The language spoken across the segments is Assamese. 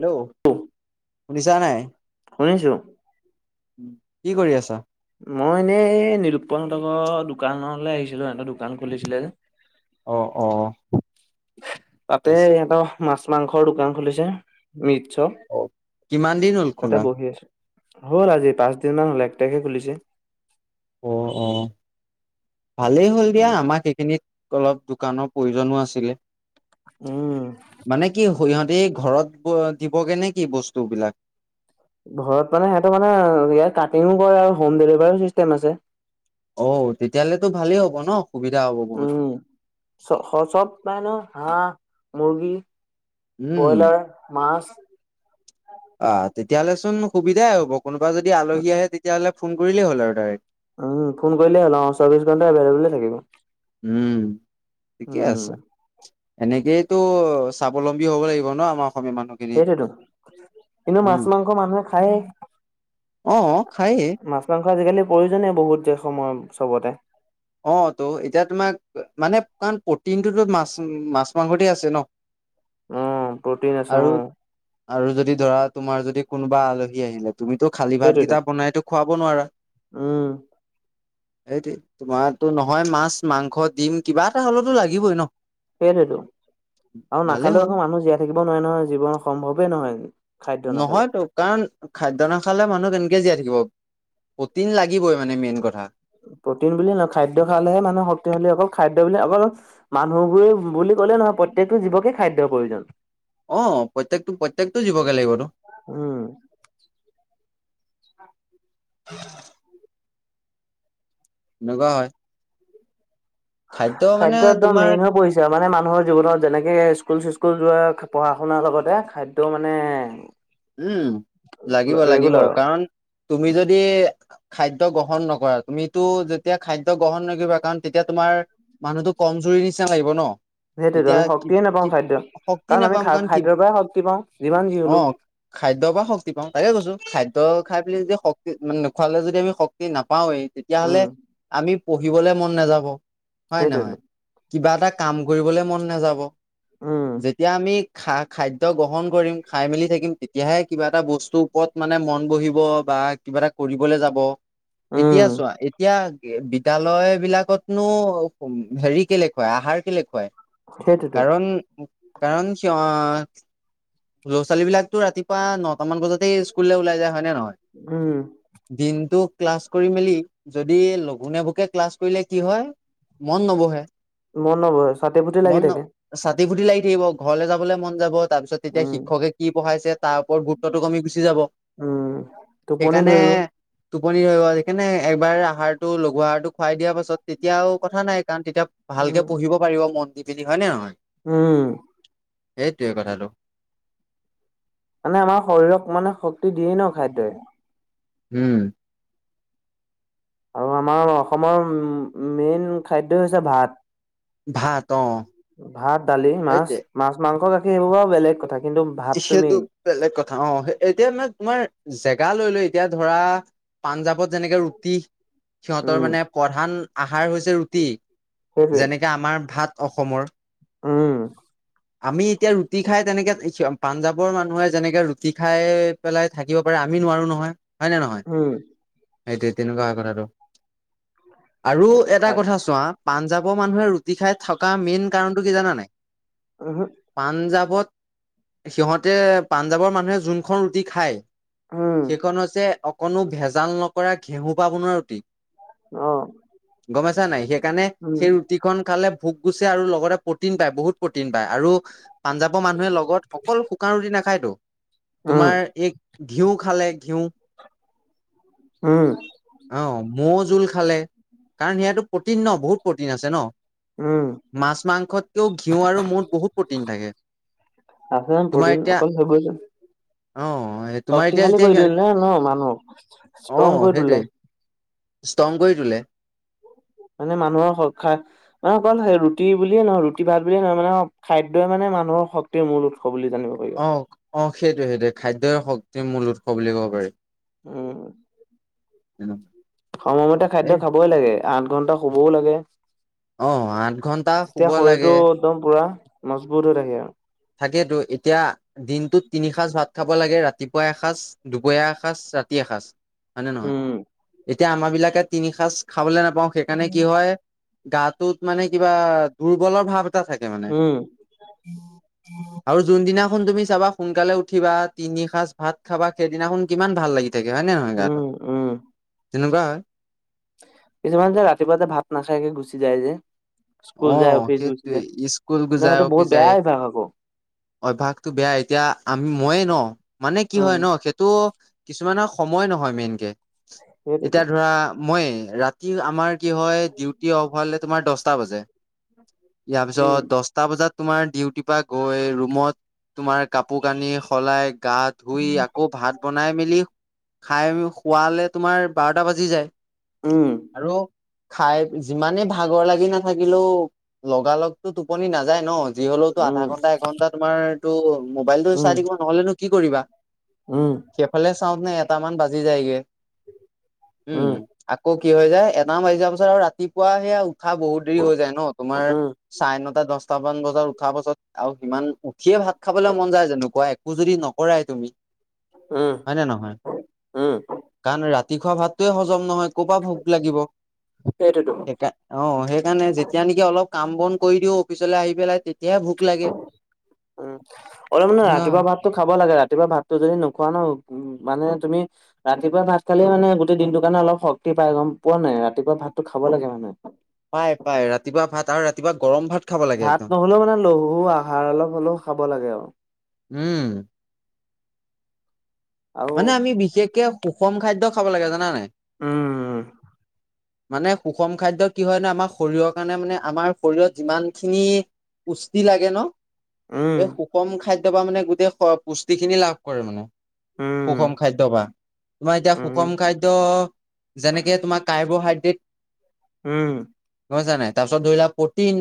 হেল্ল' সোনিছা নাই? শুনিছো। উ কি কৰি আছা? মই এনেই এই নিৰুপানহ ঘৰত দোকানলৈ আহিছিলোঁ সিহতৰ দোকান খুলিছিলে যে অ', অ', ঠিক তাতে আছে। এটা মাছ মাংসৰ দোকান খুলিছে মিটশ। অ' কিমান দিন হ'ল খুনা? হ'ল আজি পাঁচ দিন মান হলে এক টাইখে খুলিছে। অ অ ভালেই হ'ল দিয়া উম আমাক এহেইখিনিত অলপ দোকানৰ প্ৰয়োজনো আছিলে। উম মানে কি সিহঁতি ঘৰত ব দিবগে নে কি বস্তু বিলাক? ঘৰত মানে সিহতৰ মানে ইয়াত কাটিঙো কৰে আৰু হোম ডেলিভাৰীও চিষ্টেম আছে। অ তেতিয়াহলেতো ভালেই হ'ব ন? সুবিধা হ'ব বহুত। উম চ চব পাই ন হাঁহ, মুৰ্গী, উম, ব্ৰইলাৰ, মাছ, অ তেতিয়াহ'লে চোন সুবিধাই হ'ব কোনোবা যদি আলহী আহে তেতিয়াহ'লে ফোন কৰিলেই হ'ল আৰু ডাইৰেক্ট। উ ফোন কইলে হল অ চৌবিশ ঘণ্টা এভেল ব'লে থাকিব। উম ঠিকে উম আছে। এনেকেইতো স্বাৱলম্বী হ'ব লাগিব ন আমাৰ অসমীয়া মানুহখিনি। সেইটোতো কিন্তু উম, মাছ মাংস মানুহে খায়ে। অ অ খায়ে। আজিকালি প্ৰয়োজন বহুত সময় চবতে। অ ত' এতিয়া তোমাক মানে কাৰণ প্ৰটিনটোতো মাছ মাছ- মাংসতে আছে ন? উম প্ৰটিন আছে অ আৰু আৰু যদি ধৰা তোমাৰ যদি কোনোবা আলহী আহিলে তুমিতো খালী সেইটোৱেতো ভাতকেইটা বনাইতো খুৱাব নোৱাৰা? উম সেইটোৱে। তোমাৰ'তো নহয় মাছ, মাংস, ডিম কিবা এটা হ'লেতো লাগিবই ন? সেইটতো আৰু ভালেই নাখালেও হ'ল আকৌ মানুহ জীয়াই থাকিব নোৱাৰে নহয় জীৱন সম্ভৱে নহয়। খাদ্য নাখালে নহয়তো কাৰণ খাদ্য নাখালে মানুহ কেনেকে জীয়াই থাক কিবা। প্ৰটিন লাগিবই মানে মেইন কথা। প্ৰটিন বুলি নায় খাদ্যয় খালেহে মানুহে শক্তিশালী অকল খাদ্য বুলি অকল মানুহবোৰে বুলি গ'লে নহয় প্ৰত্যেকটো জীৱকে খাদ্যৰ প্ৰয়োজন। আহ প্ৰত্যয়কটো প্ৰত্যয়কটো জীৱকে লাগিবতো। উম [unintelligible] এনেকুৱা হয়। মানে খাদ্য একদম তোমাৰ মেইন হৈ পৰিছা মানে মানুহৰ জীৱনত যেনেকে স্কুল চিস্কুল যোৱা পঢ়া শুনাৰ লগতে খাদ্য মানে উম লাগিব লাগিব ৰেগুলাৰ কাৰণ তুমি যদি খাদ্যয় গ্ৰহণ নকৰা তুমিতো যেতিয়া খাদ্য গ্ৰহণ নকৰিবা কাৰণ তেতিয়া তোমাৰ মানুহতটো কম জ জুৰি নিচিনা লাগি'ব ন? সেইটোৱেতো তেতিয়া আমি শক্তিয়ে নাপাওঁ খাদ্য শক্তি আমি নাপাম খা কাৰণ খাদ্যৰ পৰাই শক্তি পাওঁ যিমান যি অ হলো খাদ্য খাদ্যৰ পৰা শক্তি পাওঁ তাকে কৈছোঁ খাদ্য খাই পেলাই যদি শক্তি মানে নোখোৱালে য আমিক্তি নাপাওঁ পাওঁৱেই তেতিয়াাহলে উম আমি পঢ়িবলে মন নাযাব হয় নহয়? সেইটোৱেতো কিবা এটা কাম কৰিবলৈ মন নাযাব, উম যেতিয়া আমি খা খাদ্য গ্ৰহণ কৰিম খাই মেলি থাকিম হে কিবা এটা বস্তুৰ ওপৰত মানে মন বহিব বা কিবা এটা কৰিবলে যাব এতিয়া উম চোৱা এতিয়া বিদ্যয়ালয় বিলাকতনো উ হেৰি কেলে খুৱাই আহাৰ কেলেখুৱায় সেইটোতো কাৰণ, কাৰণ। ল'ৰা ছোৱালী বিলাকতো ৰাতিপুৱা নটা মান বজাতে স্কুললে ওলাই যায়। হয় উম নহয় দিনটো। ক্লাছ কৰি মেলি যদি লঘোনেেবকে ক্লাছ কৰিলে কি হয় মন নবহে। মন নব ছাতি পুতি লাগি থাকে। পাটতিটি লাগি থাকিব ঘৰলৈ যাবলৈ মন যাব তাৰপিছত তেতিয়া উম শিক্ষকে কি পঢ়াইছে। তাৰ ওপ গুৰুত্বটো কমি গুচাব। উম ত টোপনি ধৰিব। টোপনি ৰৈ স কেনে একবাৰ আহাৰতটো লগঘু আহাৰটো খুৱাই দিয়া পাছত তেতিয়াও কথা নাই। কাৰণ তেতিয়া উম ভালকে পঢ়িব পাৰিব মন দি হয় নে নহয়। উম সেইটোৱে কথাটো। মানে আমাৰ শৰীৰক মানে শক্তি দিয়েই ন খাদ্যই। হম আৰু আমাৰ অসমৰ মেইন খাদ্য হৈছে ভাত। ভাত অ ভাত দালি মাছ সেইটোৱে মাছ মাংস গাখীৰ সেইবোৰ পৰা বেলেগ কথা। কিন্তু ভাতটো সেইটো মেইন বেলেগ কথা অ এতিয়া মান তোমাৰ জেগা লৈ, লৈ। এতিয়া ধৰা পাঞ্জাৱত যেনেকে ৰুটি সিহঁতৰ উম মানে প্ৰধান আ আহাৰ হৈছে ৰুটি, সেইটোৱে যেনেকে আমাৰ ভাত অসমৰ। উম আমি এতিয়া ৰুটি খাই তেনেকে পাঞ্জাৱৰ মানুহে যেনেকে ৰুটি খাই পেলাই থাকিব পাৰে আ আমি নোৱাৰো নহয় হয়, ন নহয় উম সেইটোৱে তেনেকুৱা হয় কথাটো। আৰু এইটো এটা খাই কথা চোৱা পাঞ্জাৱৰ মানুহে ৰুটি খাই থকা মেইন কাৰণটো কি জানা নাই। উম পাঞ্জাৱত সিহঁতে পাঞ্জাৱৰ মানুহে যোনখন ৰুটি খায়। উম সেইখন হৈছে অকণো ভেজাল নকৰা ঘেঁহু বনুৱা ৰুটি। অ। গমোছা নাই সেইকাৰণে উম, সেই ৰুটিখন খালে ভোক গুচছে আৰু লগতে প্ৰটিন পায় বহুত প্ৰটিন পায় আৰু পাঞ্জাৱৰ মানুহে লগত অকল শুকান ৰুটি নাখায়তো উম, তোমাৰ এই ঘিউ খালে ঘিউ। উম। অ', মৌ জোল খালে কাৰণ সিহঁতটো [inaudible] বহুত উম, প্ৰটিন থাকে। আছে ন তোমাৰ প্ৰটিন এতিয়া অকলে থ যে। অ', তোমাৰ এতিয়া শক্তিশালী যেতিয়া কৰি সিয়া দিয়ে ন মানুহ ষ্ট্ৰং কৰি তোলে। স্তংগই তোলে। মানে মানুহৰ মানে অকল ৰুটি বুলিয়ে নহয় ৰুটি ভাত বুলিয়ে নহয় মানে খাদ্যয়ই মানে মানু মানুহৰ শক্তিৰ মূল উৎস বুলি জানিব পাৰি। সেইটোয়ে, সেইটয়ে খাদ্যয়ৰ শক্তিৰ মূল উৎস বুলি ক'ব পাৰি। অ উ সময়মতে খাদ্য খাবই লাগে আঠ ঘন্টা শুবও লাগে। অ', আঠ ঘন্টা শুব তেতিয়া শৰীৰটো লাগে একদম পুৰা মজবুত হৈ থাকে আৰু। থাকেতো এতিয়া দিনটোত তিনি সাঁজ -ভাত। খাব লাগে ৰাতিপুৱা এসাঁজ দুপৰীয়া এসাঁজ ৰাতি এসাঁজ হয়নে নহয়। উম, এতিয়া আমাৰ বিলাকে তিনি সাঁজ খাবলৈ নাপাওঁ সেইকাৰণে কি হয়? গাটোত মানে কিবা দুৰ্বলৰ ভাৱ এটা থাকে মানে উম আৰু জ সিদিনাখন তুমি চাবা সোনকালে উঠিবা তিনি সাঁজ ভাত খাবা সেইদিনাখন কিমান ভাল লাগি তেকে হয় নে নহয় উম, গাটো উম, তেনেকুৱা হয় কিছুমান যে ৰাতিপুৱাতে ভাত নাখায়কে গুচি যায় যে স্কুল যায়, আঁহ অফিচ গুচি সেইটো যায়, স্কুল ন যায় সেইটো অফি বহুত যাই বেয়া অভ্যাস আকৌ। অভ্যাসটো বেয়া এতিয়া আমি ময়ে ন মানে কি হয় উম ন সেইটো কিছুমান সময় নহয় মেইনকে সেইটোৱেতো এতিয়া ধৰা মই ৰাতি আমাৰ কি হয় ডিউটি অফ হলে। তোমাৰ দহটা বাজে। ইয়াৰ উম পিছত দশটা বজাত। তোমাৰ ডিউটিৰ পৰা গৈ ৰুমত তোমাৰ কাপোৰ কানি সলাই গা ধুই আকৌ ভাত বনাই মেলি খাই খোৱালে তোমাৰ বাৰ। বি যায় উম আৰু খাই যিমানে ভাগৰ লাগি নাথ। থাকিলোও লগালগতটো টোপনি নাযায় ন যি হলেওতো আধা উম ঘন্টা এঘন্টা তোমাৰ। ত মোবাইলতটো চাই উম দাকিব নহলেনো কি কৰিবা উম সেইফালে চাওঁ নে এটামান বাজি যায়গে উম আকৌ। কি হৈ যায় এটা মাৰি যোৱা পাছত আৰু ৰাতিপুৱা সেয়া উঠা বহুত দেৰি হৈ যায় ন তোমাৰ উম চাৰে নটা দশটামান বজাত উঠা পাছত আৰু সিমান। সিয়ে ভাত খাবলৈ মন যায় যেনেকুৱা একো যদি নকৰাই তুমি উম হয় নে নহয় উম কাৰণ ৰাতি খুৱোৱা ভাতটয়ে হজম নহয়। ক'পা ভোক লাগিব সেইটোতো সেইকাৰ অ সেই। মানে যেতিয়া নেকি অলপ কাম বন কৰি দিওঁ অফিচলৈ আহি পেলাই তেতিয়াহে ভোক লাগে উ অলপ মানে এনেকুৱা হয় ৰাতিপুৱা ভাততটো খাব লাগে ৰাতি। ৰাতিয়া ভাততটো যদি নোখোৱা ন উ মানে তুমি ৰাতিপুৱা ভাত খালে মানে গোটেই দিনটো কাৰণে অলপ শক্তি। পাই গম পোৱা নাই ৰাতিপুৱা ভাতো খাব লাগে মানুে পাই পাই ৰাতিপুৱা ভাত আৰু ৰাতি। ভাত নহলেও মানে লহু আহাৰ অলপ হ'লেও খাব লাগে আৰু উম আৰু মানে আমি বিশেষকে সুষম খাদ্য খাব লাগে জানান নাই উম। মানে সুষম খাদ্য কি হয় ন আমাৰ শৰীৰৰ কাৰণে মানে আমাৰ শৰীৰত যিমান খিনি কুষ্টি লাগে ন উম এই সুষম খাদ্য বা মানে গোটেই পুষ্টি খিনি লাভ কৰে মানে সুখম উম খাদ্য বা তোমাৰ এতিয়া উম সুষম খাদ্য যেনেকে তোমাৰ কাৰ্বহাইড্ৰেট উম হয়ছা নাই তাৰপিছত ধৰি লোৱা প্ৰটিন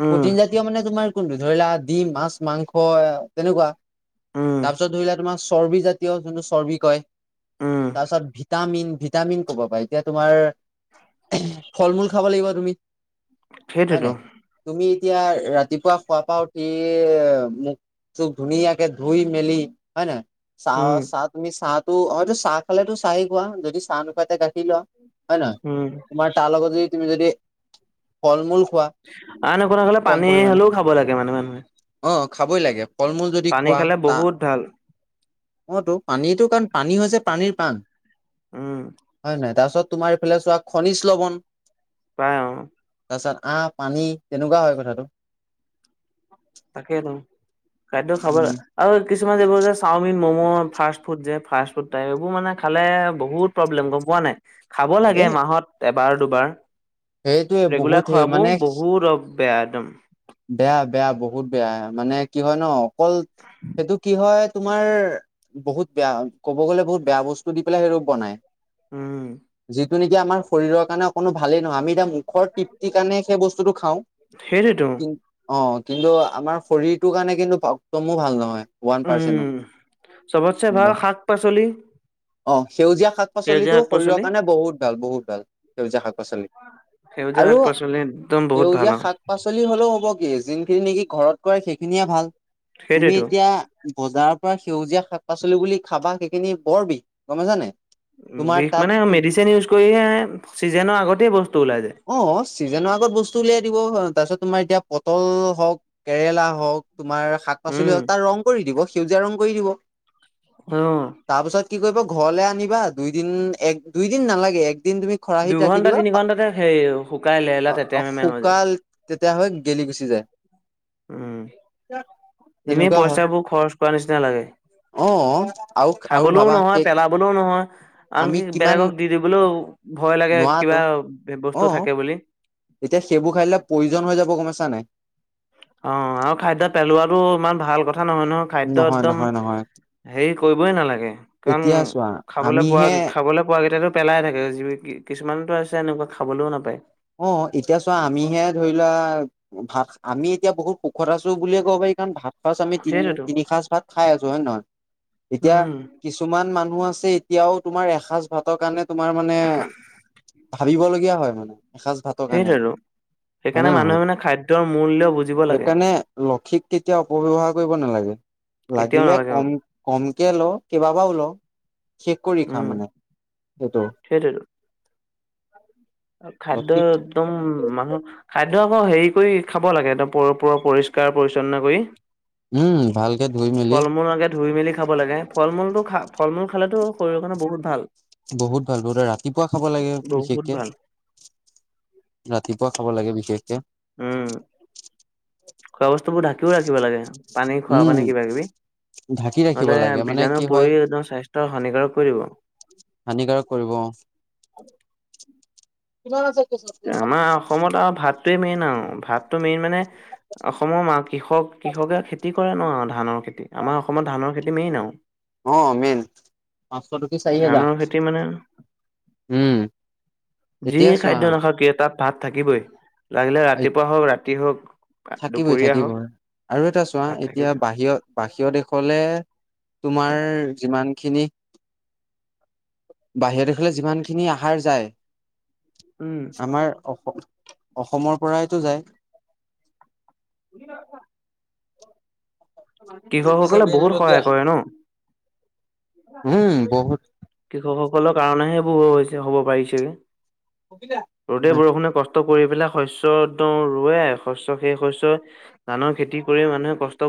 উম প্ৰটিন জাতীয় মানে তোমাৰ কোনটো ধৰিলা দিম মাছ মাংস তেনেকুৱা উম তাৰপিছত ধৰিলা তোমাৰ চৰ্বি জা যোনটো চৰ্বি হয় উম তাৰপিছত ভিটামিন ভিটামিন ক'ব পাৰ এতিয়া তোমাৰ ফল মূল খাব লাগিব তুমি হয় ন সেইটোতো তুমি এতিয়া ৰাতিপুৱা খোৱাৰ পা উঠি মোক খুব ধুনীয়া কে ধুই মেলি হয় ন চাহ উম চাহ তুমি চাহো হয়তো চাহ খালেতো চাহেই খোৱা যদি চাহ নোখোৱাাই এতিয়া গাখীৰ লোৱা হয় ন উম তোমাৰ তাৰ লগত যদি তুমি যদি ফল মূল খোৱা আনেক ন কলে কম পানী পৰিমাণে হ'লেও খাব লাগে মানুহে মানুহে অ খাবই লাগে ফল মূল যদি পানী খোৱা খালে ত বহুত ভাল অতো পানীটো কাৰণ পানী হৈছে পানীৰ পাণ উম হয়ে নয় তাৰপিছত তোমাৰ ইফালে চোৱা খনিজ লবন পায় অঁ তাৰপাছত আঁ পানী তেনেকুৱা হয় কথাটো তাকেইতো খাদ্য খাবৰ উম, আৰু কিছুমান যিবোৰ যে চাওমিন ম'ম' ফাষ্ট ফুড যে ফাষ্ট ফুড টাইপ এইবোৰ মানে খালে বহুত প্ৰব্লেম গম পোৱা নাই। খাব লাগে এ মাহত এবাৰ দুবাৰ। সেইটোৱে বহুত ৰেগুলাৰ সেই খোৱাবো মানে বহুত অপ বেয়া একদম। বেয়া বেয়া বহুত বেয়া মানে কি হয় ন অকল সেইটো কি হয়। তোমাৰ বহুত বেয়া ক'ব গলে বহুত বেয়া বস্তু দি পেলাই সেই ৰ বনাই। উম। যটো নেকিম শৰীৰৰ কাৰণে কোনো ভালেই নহয় আমি এতিয়া মুখৰ ত্ৰিপ্তিৰ কাৰণে সেই বস্তুটো খাওঁ সেইটোৱেতো কিন্ত অ কিন্তু আমাৰ শৰীৰটোৰ কাৰণে কিন্তু একদমো ভাল নহয় ওৱান পাৰ্চেন। উম চবতছে ভাল শাক পাচলি। অ সেউজীয়া শাক সেউজীয়া পাচলিটো শাক শৰীৰৰ পাচলি কাৰণে বহুত ভাল বহুত ভাল সেউজীয়া শাক পাচলি। সেউজীয়া আৰু শাক পাচলি একদম বহুত ভাল সেউজীয়া আৰু শাক পাচলি হ'লেও হ'ব। নে যোনখিনি নেকি ঘৰত কৰে সেইখিনিয়ে ভাল তুমি সেইটোৱেতো এতিয়া বজাৰৰ পৰা সেউজীয়া শাক পাচলি বুলি খাবা সেইখিনি বৰ বিষ গমাইছানে বিষ মানে মেডিচিন ইউজ কৰিহে চিজেনৰ আগতেই বস্তু ওলাই যায়। চিজনৰ আগত বস্তু উলিয়াই দিব তাৰপিছত তোমাৰ এতিয়া পটল হওক কেৰেলা হওক। তোমাৰ শাক পাচলি উম, তাৰ ৰং কৰি দিব সেউজীয়া ৰং কৰি দিব। আহ তাৰ পাছত কি কৰিব ঘৰলৈ আনিবা দুইদিন এক দুইদিন নালাগে একদিন তুমি খৰাহীত ৰাখি দুঘন্টা দিবা। তিনি ঘন্টাতে সেই শুকাই লেৰেলা তেতেৰা অ মেমেৰা হৈ যায়। শুকাল তেতিয়া হৈ গেলি গুচি যায়। উম এনে তেনেকুৱা হয় পইচাবোৰ খৰচ কৰা নিচিনা লাগে। অ আৰু আৰু খাবলৈও ভাবা নহয় সেই পেলাবলৈও নহয় আমি আনকি কিমান বেলেগক দি দিবলৈও ভয় লাগে নোৱাৰাতো কিবা। বস্তু অ থাকে বুলি। এতিয়া সেইবোৰ খাইিলে প্ৰয়োজন হৈ যাব গমাইছা নে। অ আৰু খাদ্য পেলোৱাতটো ইমান ভাল কথা নহয় নহয় খাদ্য একদম। নহয় নহয় হেৰি কৰিবই নালাগে কাৰণ এতিয়া চোৱা খাবলৈ পোৱা আমিহে খাবলৈ পোৱা কেইটাতো। পেলাই থাকে যি কিছুমানতো আছে এনেকুৱা খাবলৈও নাপায়। অ এতিয়া চোৱা আমিহে ধৰি লোৱা ভাত আমি এতিয়া বহুত সুখত আছো বুলিয়ে ক'ব পাৰি কাৰণ ভাত। সচ আমি তিনি সেইটোৱেতো তিনি সাঁজ ভাত খাই আছো হয়ে নহয় এতিয়া উম, কিছুমান মানুহ আছে। এতিয়াও তোমাৰ এসজ ভাতৰ কাৰণে তোমাৰ মানে ভাবিব লগীয়া হয় মানে। এসাঁজ ভাতৰ কাৰনে সেইটোৱেতো সেইকাৰণে হয়নে নহয়। মানুহে মানে খাদ্যৰ মূল্য বুজিব লাগে। সেইকাৰণে লক্ষীক কেতিয়া অপব্যবহাৰ কৰিব নালাগে। কেতিয়াও লাগিলে নালাগে অ কম কমকে ল কেইবাবা ওলও। শেষ কৰি খা উম মানে সেইটো। সেইটোৱেতো খাদ্য লক্ষীক একদম মানহ খাদ। একদম আকৌ হেৰি কৰি খাব লাগে একদম প পুৰৰ পৰিষ্কাৰ পৰি্ছন্ন কৰি। উম ভালকে ধুই মেলি। ফল মূল আগে ধুই মেলি খাব লাগে ফল মূলতটো খা ফল মূল খালেতো শৰীৰৰ কাৰণে বহুত ভাল। বহুত ভাল বহুত ৰাতিপুৱা খাব লাগে বহুত বিশেষকে। ভাল ৰাতিপুৱা খাব লাগে বিশেষকে। উম। খোৱা বস্তু বোৰ ঢাকিও ৰাখিব লাগে পানী খোৱা উম, পানে কিবা কিবি। ঢাকি ৰাখিব নহলে লাগে মানে বীজাণু কি হয় পৰি একদম স্বাস্থ্য হানিকাৰক কৰি দিব। হানিকাৰক কৰিব কিমান আ। আমাৰ অসমত আৰু ভাতটোৱে মেইন আৰু ভাত। মেইন মানে অসমৰ মা কৃষক কৃষকে খেতি কৰে ন। ধানৰ খেতি আমাৰ অসমত ধানৰ খেতি মেইন আৰু। অ মেইন পাঁচশ টক চাহি যা। ধানৰ খেতি মানে উম। যি এতিয়া চোৱা খাদ্য নাখাওক কিয় তাত ভাত থাকিবই লাগিলে ৰাতিপুৱা হওক ৰাতি হওক। থাকিবই দুপৰীয়া হওক থাকিবই আৰু এটা চোৱা ভাত এতিয়া থাকিবই। বাহিৰত বাহিৰৰ দেশলে। তোমাৰ যিমানখিনি বাহিৰৰ দেশলৈ যিমানখিনি আহাৰ যায় উম, আমাৰ অসমৰ পৰাইতটো যায়। [inaudible] কৃষকসকলে বহুত সহায় কৰে ন? উম, বহুত কৃষক সকলৰ কাৰণেহেবোৰ হৈছে হ'ব পাৰিছেগে। ৰ'দেই বৰষুণে কষ্ট। কৰি পেলাই শস্।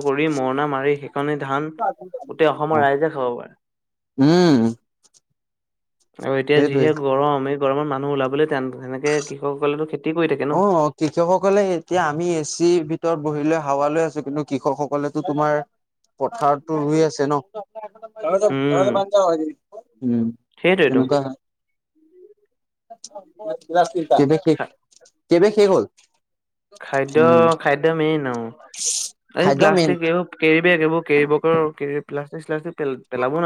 কৰি মৰণা মাৰি শিক। কাৰণে ধান গোটেই অ অসমৰ ৰাইজে খাব পাৰে। উম আৰু এতিয়া সেইটোৱে যিহে গৰম এই গৰমত মানুহ ওলাবলৈ তেনেকে কৃষকসকলেতো খেতি। কৰি থাকে ন। অ কৃষকসকলে এতিয়া আমি এচি ভিতৰত বহি লৈ। হাৱা লৈ আছো কিন্তু কৃষক সকলেতো তোমাৰ পথাৰতো ৰুই আছে ন? ক ক উম, বজ উ সেইটোৱেতো তেনেকুৱা। খা শেষ হল। খাদ্য উম খাদ্য মেইন আও। এই খাদ্য মেইন প্লাষ্টিক এই কে। একবোৰ কেৰিবেগৰ প্লাষ্টিক চ্লাষ্টিক পেলাব ন।